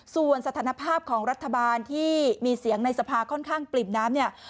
ส่วนสถานภาพของรัฐบาลที่มีเสียงในสภาค่อนข้างปริ่มน้ำเนี่ย